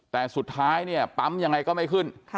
แต่สุดท้ายเนี่ยปั๊มยังไงก็ไม่ขึ้น